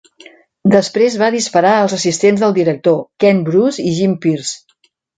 Després va disparar els assistents del director, Ken Bruce i Jim Pierce.